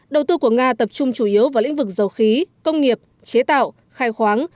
đầu tư của nga tập trung chủ yếu vào lĩnh vực dầu khí công nghiệp chế tạo khai khoáng